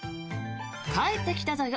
「帰ってきたぞよ！